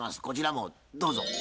こちらもどうぞ。